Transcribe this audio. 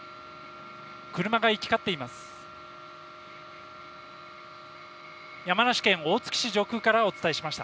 車が行き交っています。